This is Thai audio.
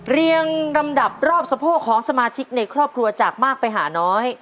เรียงลำดับรอบสะโพกของสมาชิกในครอบครัวจากมากไปหาน้อย